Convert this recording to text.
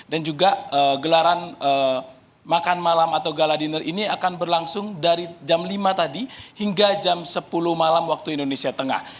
dan juga gelaran makan malam atau gala diner ini akan berlangsung dari jam lima tadi hingga jam sepuluh malam waktu indonesia tengah